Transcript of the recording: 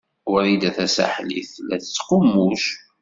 Wrida Tasaḥlit tella tettqummuc.